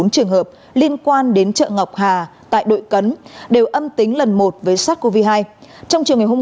bốn trường hợp liên quan đến chợ ngọc hà tại đội cấn đều âm tính lần một với sars cov hai trong chiều ngày hôm